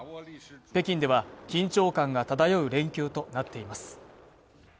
北京では緊張感が漂う連休となっています。